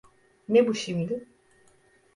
Ne bu şimdi?